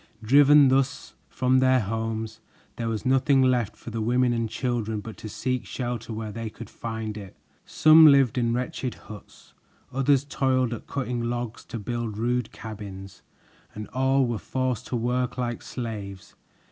Driven thus from their homes, there was nothing left for the women and children but to seek shelter where they could find it. Some lived in wretched huts; others toiled at cutting logs to build rude cabins, and all were forced to work like slaves.